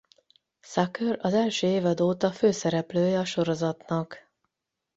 Sucre az első évad óta főszereplője a sorozatnak.